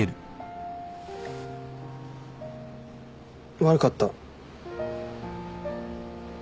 悪かった。